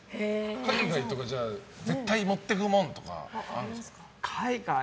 海外とか絶対持っていくものとかあるんですか。